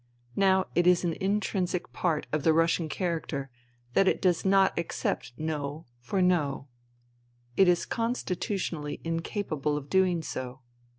Now it is an intrinsic part of the Russian character that it does not accept No for No. It is constitutionally incapable of doing so.